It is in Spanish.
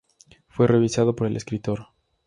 Fue revisado por el escritor.